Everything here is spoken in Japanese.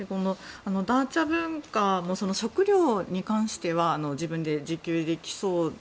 ダーチャ文化も食料に関しては自分で自給できそう。